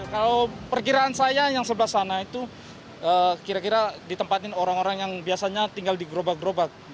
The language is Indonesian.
kalau perkiraan saya yang sebelah sana itu kira kira ditempatin orang orang yang biasanya tinggal di gerobak gerobak